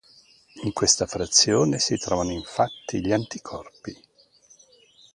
In questa frazione si trovano infatti gli anticorpi.